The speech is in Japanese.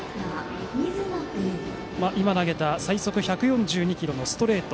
今、投げた最速１４２キロのストレート。